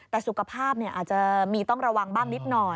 แต่สุขภาพอาจจะมีต้องระวังบ้างนิดหน่อย